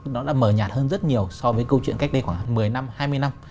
nó đã mờ nhạt hơn rất nhiều so với câu chuyện cách đây khoảng một mươi năm hai mươi năm